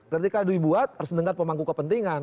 ketika dibuat harus dengar pemangku kepentingan